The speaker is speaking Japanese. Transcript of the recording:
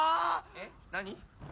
えっ何？